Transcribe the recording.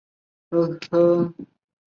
赡养老人